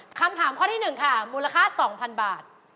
คำถามข้อที่๑ค่ะมูลค่า๒๐๐๐บาท